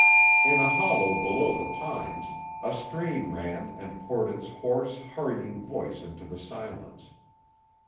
In a hollow below the pines a stream ran and poured its hoarse, hurrying voice into the silence.